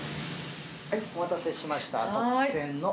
はい、お待たせしました。